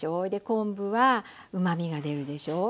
昆布はうまみが出るでしょう？